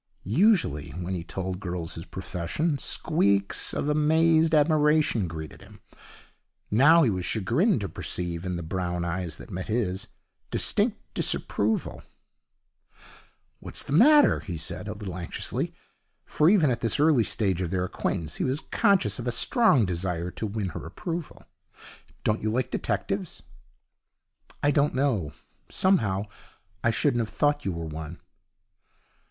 Usually, when he told girls his profession, squeaks of amazed admiration greeted him. Now he was chagrined to perceive in the brown eyes that met his distinct disapproval. 'What's the matter?' he said, a little anxiously, for even at this early stage in their acquaintance he was conscious of a strong desire to win her approval. 'Don't you like detectives?' 'I don't know. Somehow I shouldn't have thought you were one.'